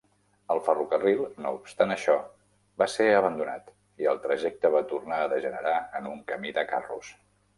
El ferrocarril, no obstant això, va ser abandonat i el trajecte va tornar a degenerar en un camí de carros.